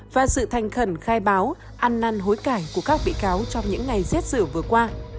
và sự thành khẩn khai báo ăn năn hối cải của các bị cáo trong những ngày xét xử vừa qua